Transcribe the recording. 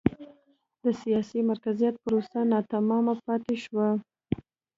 د سیاسي مرکزیت پروسه ناتمامه پاتې شوه.